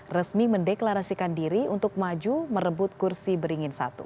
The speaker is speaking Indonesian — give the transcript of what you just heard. resmi mendeklarasikan diri untuk maju merebut kursi beringin satu